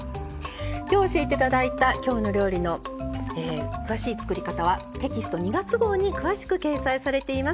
今日教えて頂いた「きょうの料理」の詳しい作り方はテキスト２月号に詳しく掲載されています。